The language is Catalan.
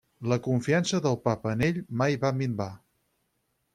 La confiança del Papa en ell mai va minvar.